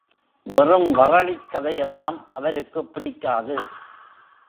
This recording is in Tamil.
வெறும் வறளிக் கதையெல்லாம் அவருக்குப் பிடிக்காது.